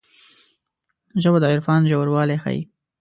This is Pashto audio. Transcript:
ژبه د عرفان ژوروالی ښيي